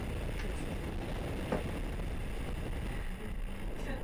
Především způsob stavby železničních tratí je naprosto identický.